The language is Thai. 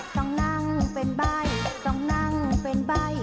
ต้องนั่งเป็นใบ้ต้องนั่งเป็นใบ้